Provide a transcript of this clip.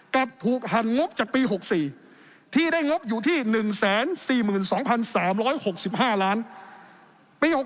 กลับถูกหั่นงบจากปี๖๔ที่ได้งบอยู่ที่๑๔๒๓๖๕ล้านปี๖๖